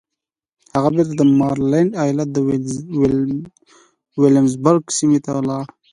هغه بېرته د ماريلنډ ايالت د ويلمزبرګ سيمې ته لاړ.